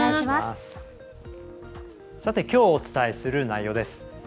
きょうお伝えする内容です。